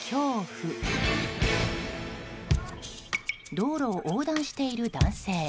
道路を横断している男性。